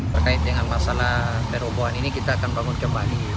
berkait dengan masalah terobohan ini kita akan bangun kembali